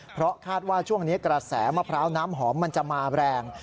เพราะคาดว่าช่วงนี้กระแสมะพร้าวน้ำหอมมันจะมาแรง